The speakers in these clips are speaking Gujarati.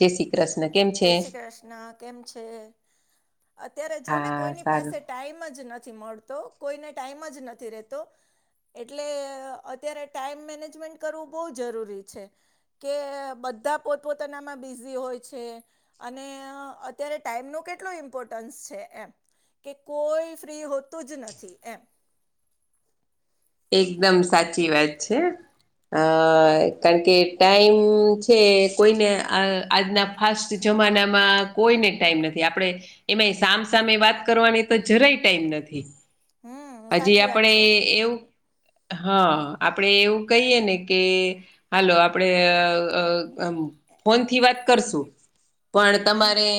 જેેસી [unintelligible] કૃશ્ કેમ [unintelligible] જય શ્રી કૃષ્ણ કેમ છે અત્યારે જો ને હા કોઈની સારું પાસે ટાઈમ જ નથી મળતો કોઈને ટાઈમ જ નથી રહેતો એટલે અત્યારે ટાઈમ મેનેજમેન્ટ કરવું બહુ જરૂરી છે. કે બધા પોતપોતાનામાં બિઝી હોય અને અત્યારે ટાઈમ ન કેટલો ઇમ્પોર્ટન્સ છે એમ કે કોઈ ફ્રી હોતું જ નથી એમ એકદમ સાચી વાત છે. અ કારણ કે ટાઈમ છે કોઈને આજના ખાસ જમાનામાં કોઈને ટાઈમ નથી આપણે એમાં સામ સામે વાત કરવાની તો જરાય ટાઈમ નથી. હમ હજી સાચી વાત આપણે છે એવું હા હમ આપડે એવું કહીએ ને કે હાલો આપડે ફોનથી વાત કરશું. પણ તમારે હમ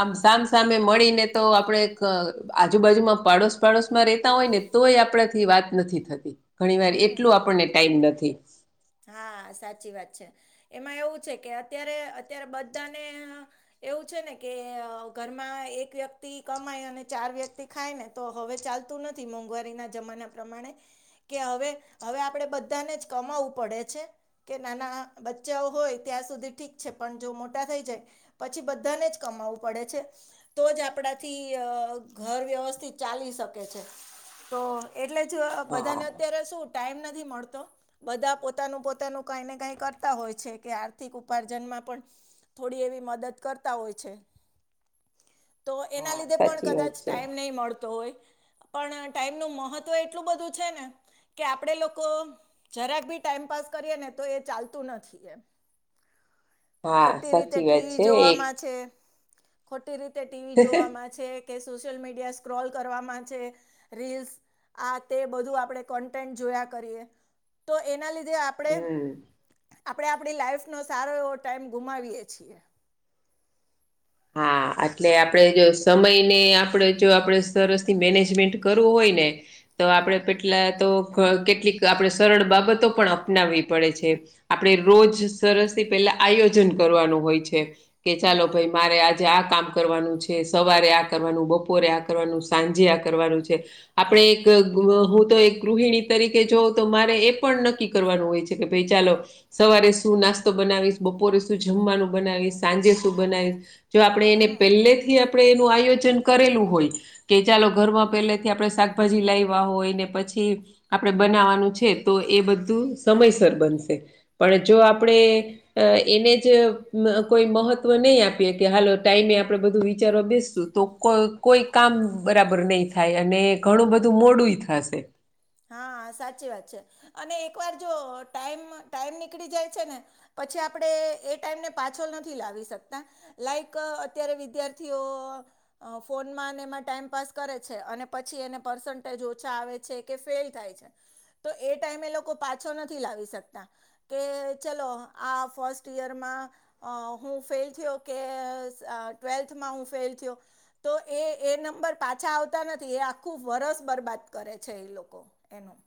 આમ સા સામે મળીને તો આપણે આજુબાજુમાં પાડોશ પાડોશમાં રે હોય ને તોય આપણાથી વાત નથી થતી ઘણી વાર એટલું હમ આપણને ટાઈમ નથી. હા સાચી વાત છે એમાં એવું છે કે અત્યારે અત્યારે બધાને એવું છે ને કે ઘરમાં એક વ્યક્તિ કમાય અને ચાર વ્યક્તિ ખાય ને તો હવે ચાલતું નથી મોંઘવારીના જમાના પ્રમાણે કે હવે હવે આપણે બધાને જ કમાવું પડે છે કે નાના બચ્ચા હોય ત્યાં સુધી ઠીક છે પણ જો મોટા થઈ જાય પછી બધાને જ કમાવું પડે છે. તો જ આપડાથી ઘર વ્યવસ્થિત ચાલી શકે છે તો એટલે જ હા બધાને અત્યારે શું ટાઈમ નથી મળતો બધા પોતાનું પોતાનું કઈ ને કઈ કરતા હોય છે કે આર્થિક ઉપાર્જનમાં પણ થોડી એવી મદદ કરતા હોય છે. તો એના હા લીધે પણ સાચી વાત કદાચ છે ટાઈમ નહીં મળતો હોય. પણ ટાઈમનુંું મહત્વ એટલું બધું છે ને કે આપણેે લોકો જરા બી ટાઈમ પાાસ કરીએ ને તો એ ચાલતું નથી એમ. હા ખોટી રીતે સાચી વાત ટીવી છે એક જોવામાં છે ખોટી રીતે ટીવી જોવામાં છે. કે સોશિયલ મીડિયા સ્ક્રોલ કરવાવામાં છે રીલ્સ આ તે બધું આપણે કોન્ટેન્ટ જોયા કરીએ તો એના લીધે આપણે હમ આપણે આપણી લાઈફનો સારો એવો ટાઈમ ગુમાવીએ છીએ. હ [inaudible] આટલે આપણે જો સમયને આપણે જો આપણે સરસથી મેનેજમેન્ટ કરવું હોય. ને તો આપણે પેટલા તો કેટલીક આપણે સરળ બાબતો પણ અપનાવવી પડે છે. આપણે રોજ સરસ થી પહેલા આયોજન કરવાનું હોય છે કે ચાલો હમ ભાઈ મારે આજે આ કામ કરવાનું છે સવારે આ કરવાનું બપોરે આ કરવાનું સાંજે આ કરવાનું છે. આપણે એક હું તો એક ગૃહિણી તરીકે જોઉં તો મારે એ પણ નક્કી કરવાનું હોય છે કે ભાઈ ચાલો સવારે શું નાસ્તો બનાવીશ બપોરે શું જમવાનું બનાવીશ સાંજે શું બનાવીશ. જો આપણે એને હમ પહેલેથી આપણે એનું આયોજન કરેલું હોય કે ચાલો ઘરમાં પહેલેથી આપણે શાકભાજી લાવવા હોય ને પછી આપણે બનાવાનું છે તો એ બધું સમયસર બનશે. પણ જો આપણે એને જ કોઈ મહત્વ નહીં આપે. કે હાલો ટાઈમે આપણેે બધું વિચારવા બેસશું તો કોઈ કામ બરાબર નહી. થાય અને ઘણું બધું મોડુંય થાશે. હા સાચી વાત છે. અને એક વાર જો ટાઈમ ટાઈમ નીકળી જાય ચને પછી આપણેે એ ટાઈમને પાછો નથી. લાવી શકતા લાઈક અત્યારે વિદ્યાર્થીઓ અ ફોનમાં અને એમાં ટાઈમપાસ કરે છે. અને પછી એને પર્સન્ટેજ ઓછા આવે છે. કે ફેલ થાય છે. તો એ ટાઈમે લોકો પાછો નથી લાવી શકતા કે ચલો આ ફર્સ્ટ યયરમાં હું ફલ થયો કે ટ્વેૅલ્થમાં હું ફલ થયો તો એ એ નંબર પાછા આવતા નથી એ આખું વરસ બરબાદ કરે છે એ લોકો લોકોકો એનું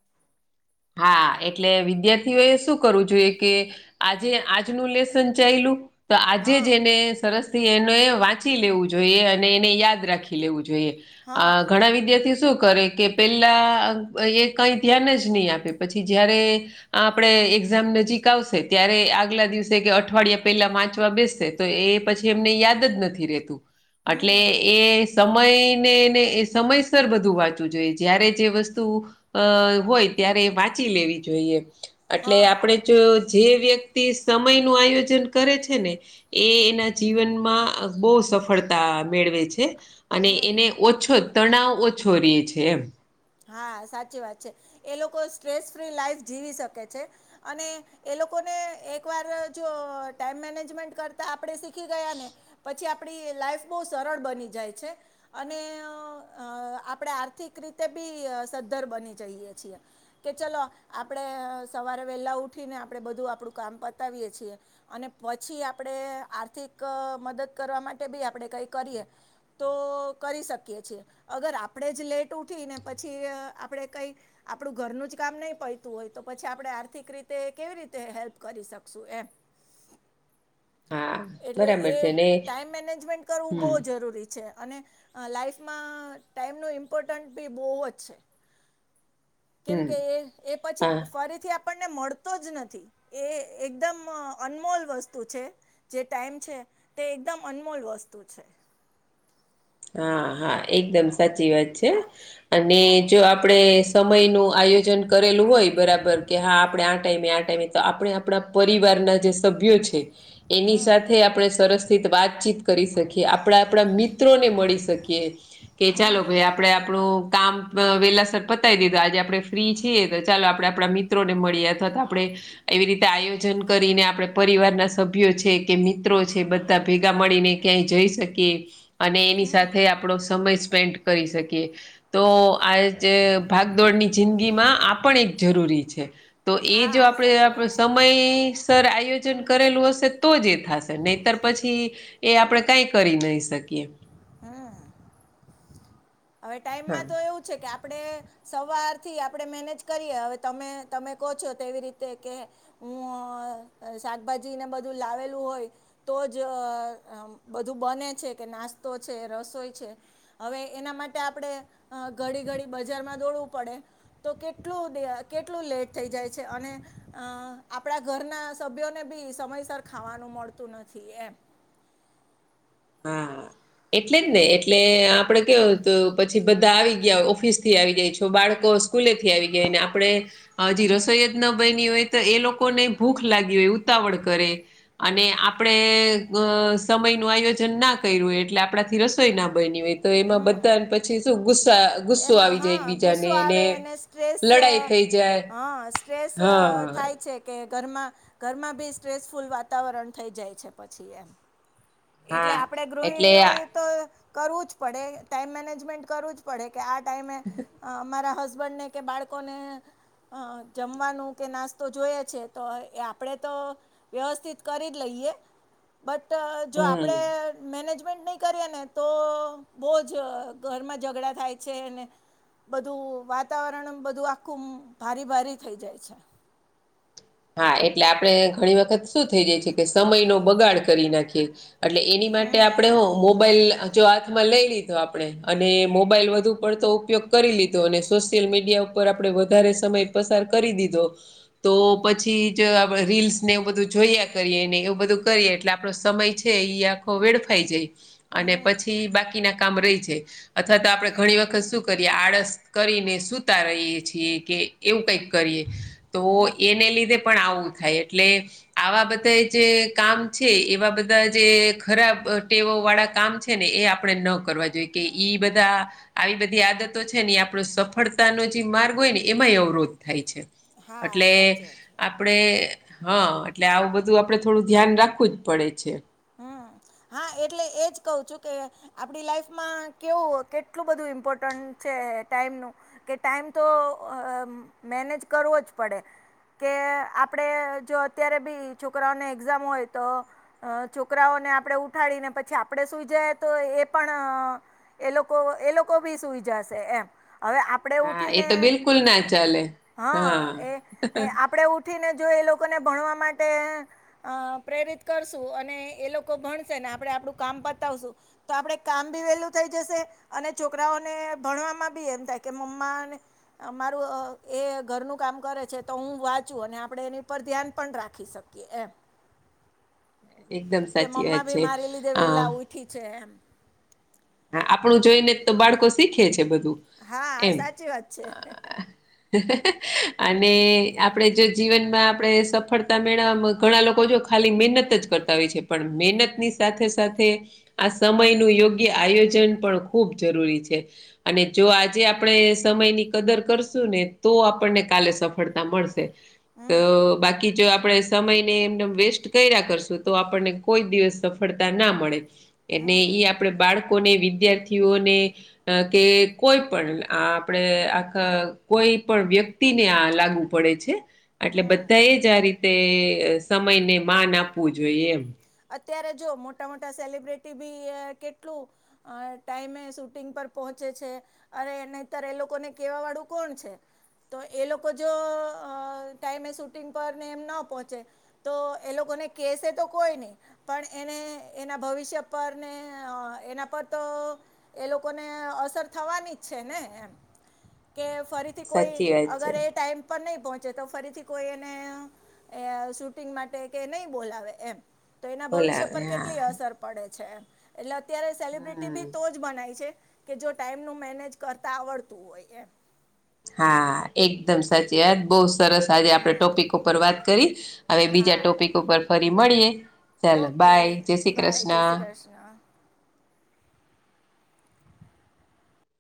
હા એટલે વિદ્યાર્થીઓ એ શું કરવું જોઈએ કે આજે આજનું લેસન ચાલલુ તો આજે હા જ એને સરસ થી એને વાંચી લેવું જોઈએ અને એને યાદ રાખી લેવું જોઈએ. હા આ ઘણા વિદ્યાર્થી શું કરે કે પેલા એ કઈ ધ્યાન જ નહી આપે પછી જયારે આપણે એક્ઝામ નજીક આવશે ત્યારે આગલા દિવસે કે અઠવાડિયા પેલા વાંચવા બેસસે. તો એ પછી એમને યાદ જ નથી રતું એટલે હમ એ સમયનેને એ સમયસર બધું વાંચવું જોઈએ જય્યારે જે વસ્તુ અ હોય ત્યારે વાંચી લેવી જોઈએ એટલે હા આપણે જો જે વ્યક્તિ સમય નું આયોજન કરે છે. ને એ એના જીવનમાં બહુ સફળતા મેળવે છે. અને હમ એને ઓછો તણાવ ઓછો ર છે. એમ હા સાચી વાત છે. એ લોકો સ્ટ્રેસ ફ્રી લાઈફ જીવી શકે છે. અને એ લોકોને એક વાર જો ટાઈમ મેનેજમેન્ટ કરતા આપણે શીખી ગયા. ને પછી આપડી લાઈફ બહુ સરળ બની જાય છે. અને અ આપણેે આર્થિક રીતે બી સદ્ધર બની જઈએ છીએ કે ચલો આપણે સવારે વહેલાં ઉઠીને આપણે બધું આપણું કામ પતાવીએ છીએ. અને પછી આપણેે આર્થિક મદદ કરવા માટે. બી આપણેે કઈ કરીએ. તો કરી શકીએ છીએ અગર આપણેે જ લેટ ઉઠી ને પછી આપણેે કઈ આપણું ઘરનું જ કામ નહી પડતું હોય તો પછી આપણે આર્થિક રીતે કેવી રીતે હેલ્પ કરી શકશું એમ હા એટલે બરાબર એ છે ને ટાઈમ મેનેજમેન્ટ કરવું બહુ હમ જરૂરી છે. અને લાઈફમાં ટાઈમનું ઇમ્પોર્ટન્ટ બી બહુ જ છે. કેમ હમ કે એ એ પછી હા ફરીથી આપણને મળતો જ નથી એ એકદમ અનમોલ વસ્તુ છે. જે ટાઈમ છે. તે એકદમ અનમોલ વસ્તુ છે. હા હા એકદમ સાચી વાત છે. અને જો આપણેે સમય નું આયોજન કરેલું હોય બરાબર કે હા આપડણે આ ટાઈમે આ ટાઈમે તો આપણે આપણા પરિવારના જે સભ્યો છે. એની હમ સાથે આપણે સરસ થિત વાતચીત કરી શકીએ આપણા આપણા મિત. મિત્રો ને મળી શકીએ કે ચાલો હમ ભાઈ આપણે આપણું કામ. વેહેલા સરર પતાવી દીધા આજે આપણે ફ્રી છીએ તો ચાલો આપણે આપણા મિત્રોને મળીએ અથવા તો આપણે એવી રીતે આયોજન કરીને આપણે પરિવારના સ ભ છે. કે મિત્રો છે. બધા ભેગા મળીને ક્યાંય જઈ શકીએ અને એની હમ સાથે આપ આપણો સમય સ્પેન્ડ કરી શકીએ તો આ જે ભાગદોડની જિંદગીમાં આપણ એક જરૂરી છે. તો એ જો હા સાચી વાત આપણેે છે સમય સર આયોજન કરેલું હશે તો જ એ થશે નહીતર પછી એ આપણે કઈ કરી નહી શકીએ હમ હવે હા ટાઈમમાં તો એવું છે. કે આપડે સવારથી આપણેે મેનેજ કરીએ હવે તમે તમે કોહો છો તેવી રીતે કે- હું શાકભાજી ને બધું લાવેલું હોય. તો જ બધું બને છે. કે નાસ્તો છે, રસોઈ છે. હવે એના માટે આપણેે ઘડી ઘડી બજારમાં દોડવું પડે. તો કેટલું કેટલું લેટ થઈ જાય છે અને આપણા ઘરના. સભ્યોને બી સમયસર ખાવાનું મળતું નથી એમ. હા. એટલે જ ને એટલે આપડે કેવું હતું પછી બધા આવી ગયા ઓફિસ થી આવી જાય છો બાળકો. સ્કૂલેથી આવી ગયા ને આપણે. હજી રસોઈ જ ન બની હોય તો એ લોકોને ભૂખ લાગી હોય ઉતાવળ કરે. અને આપડે સમય નું આયો. જન ના કર્યું હોય એટલે આપણાથી રસોઈ ના બની હોય તો એમાં હમ બધા પછી શું ગુસ્સા. ગુસ્સો એમાં આવી જાય હા ગુસ્સો એકબીજાને ને આવે એને સ્ટ્રેસ લડાઈ થઈ જાય હા સ્ટ્રેસ હા થાય છે. કે ઘરમાં ઘરમાં બી સ્ટ્રેસફુલ વાતાવરણ થઈ જાય છે પછી એમ. એટલે હા આપડે એટલે ગૃહિણીઓ. તો કરવું જ પડે ટાઈમ મેનેજમેન્ટ કરવું જ પડે કે આ ટાઈમે. મારા હસબન્ડ ને કે બાળકોને. અ જમવાનું કે નાસ્તો જોએ છે તો એ આપણેે તો. વ્યવસ્થિત કરી જ લઈએ બટ જો હમ આપણેે. મેનેજમેન્ટ નહીં કરીએ ને તો બહુ જ ઘરમાં ઝઘડા થાય છે ને. બધું વાતાવરણ બધું આખું ભારે ભારી થઈ જાય છે. હા એટલે આપણે ઘણી વખત શું થઈ જાય છે કે સમય નો બગાડ કરી નાખીએ. એટલે એની માટે હમ આપડે એવો મોબાઈલ. જો હાથમાં લઈ લીધો આપણે અને મોબાઈલ વધુ પડતો ઉપયોગ કરી લીધો અને સોશિયલ મીડિયા. ઉપર આપડે વધારે સમય પસાર કરી દીધો તો. પછી જ આપણે રીલ્સને એવું બધું જોયા કરીએને એવું બધું કરીએ એટલે આપણો સમય છે ઈ આ. ખો વેડફાઈ જાય અને હમ પછી બાકીના કામ રહી જાય. અથવા તો આપણે ઘણી વખત શું કરીએ આળસ કરીને સુતા રહીએ છીએ કે. એવું કંઈક કરીએ તો હમ એને લીધે પણ આવું થાય એટલે. આવા બધા જે કામ છે એવા બધા જે ખરાબ ટેવો વાળા કામ. છે ને એ આપણે ન કરવા જોઈએ કે ઈ બધા. આવી બધી આદતો છે ને આપણો સફળતાનો જે માર્ગ હોય ને એમાંય અવરોધ થાય છે. હા એટલે. સાચી વાત છે આપણે હા એટલે આવું બધું આપણે થોડું ધ્યાન રાખવું જ પડે છે. હમ હા એટલે એજ કહું છું કે. આપણી લાઈફમાં કેવું કેટલું બધું ઇમ્પોર્ટન્ટ છે ટાઈમનું. કે ટાઈમ તો મેનેજ કરવો જ પડે. કે આપણેે જો અત્યારે બી છોકરાઓને એક્ઝામ હોય તો. છોકરાઓને આપણે ઉઠાડીને પછી આપડે સુઈ જાય તો એ પણ. એ લોકો એ લોકો ભી સુઈ જશે એમ હવે. આપણેે હા એ ઉઠીને તો બિલકુલ ના ચાલે હા એ આપણેે થીને જો એ લોકોને ભણવા માટે પ્રેરિત કરશું અને એ લોકો ભણશે ને આપડે આપડું કામ બતાવશું તો આપડે કામ ભી વેલું થઈ જશે. અને છોકરાઓને ભણવામાં બી એમ થાય કે મમ્માને અમારું એ ઘરનું કામ કરે છે તો હું વાંચું અને આપણે એની પરર ધ્યાન પણ રાખી શક એ એમ. એકદમ કે સાચી મમ્મા વાત ભી છે. મારી લીધે હા વેલા ઊઠી છે એમ. હા આપણું જોઈ ને તો બાળકો શીખે છે બધું. હા એમ સાચી વાત છે. અને આપડે જો જીવનમાં આપડે સફળતા મેળવામાં ઘણા લોકો જો. ખાલી મહેનત જ કરતા હોય છે પણ મહેનતની સાથે સાથે આ સમયનું યોગ્ય. કે આયોજન પણ ખૂબ જરૂરી છે. અને જો આજે આપણે સમયની કદર કરશું ને તો આપણને કાલે સફળતા મળશે. તો હમ બાકી જો આપડે સમયને એમને વેસ્ટ કર્યા કરશું તો આપણને કોઈ દિવસ સફળતા ના મળે. અનેને હમ ઈ આપણેે બાળકોને વિદ્યાર્થીઓને અ કે કોઈ પણ આપણે આખ કોઈ પણ વ્યક્તિ તેને આ લાગવુ પડે છે. એટલે હમ બધા એ જ આ રીતે સમયને માન આપવું જોઈએ એમ. અત્યારે જો મોટા મોટા સેલિબ્રિટી બી કેટલું અ ટાઈમે શૂટિંગ પર પહોંચે છે. અરે નતર એ લોકોને કેવા વાળું કોણ છે. તો એ લોકો જો ટાઈમે શૂટિંગ પર ને એમ ના પહોંચે તો એ લોકોને કહેસે તો કોઈ નહીં પણ એને એના ભવિષ્ય પર ને એના પર તો એ લોકોને અસર થવાની જ છે ને એમ કે ફરી કો સાચી વાત છે અગર એ ટાઈમ પર નહી પહોંચે તો ફરીથી કોઈ એને છૂ શૂટિંગ માટે કે નહી બોલાવે એમ. તો એના ભવિષ્ય બોલાવે પર હા કેટલી અસર પડે છે એટલે અત્યારે સેલિબ્રિટી હમ બી તો બનાય છે કે જો ટાઈમનું મેનેજ કરતા આવડતું હોય એમ. હા એકદમ સાચી વાત બહુ સરસ આજે આપણે હા ટોપિક ઉપર વાત કરી હવે બીજા હા ટોપિક ઉપર ફરી મળીએ. ચાલો ઓકે બાય જય શ્રી બાય કૃષ્ણ. [inaudible]